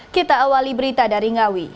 kita awali berita dari ngawi